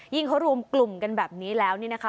เขารวมกลุ่มกันแบบนี้แล้วนี่นะคะ